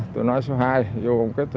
tôi nói số hai vô công kích